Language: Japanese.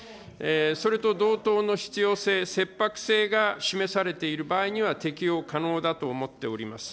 それと同等の必要性、切迫性が示されている場合には、適用可能だと思っております。